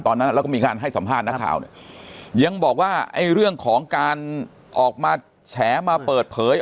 ตอนนั้นแล้วก็มีการให้สัมภาษณ์นักข่าวเนี่ยยังบอกว่าไอ้เรื่องของการออกมาแฉมาเปิดเผย